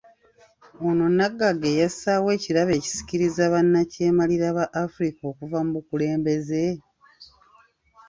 Ono Nnaggagga eyassaawo ekirabo ekisikiriza bannakyemalira ba Afirika okuva mu bukulembeze?